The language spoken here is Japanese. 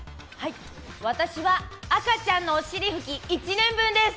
私は赤ちゃんのお尻拭き１年分です。